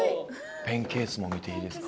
ペンケースも見ていいですか？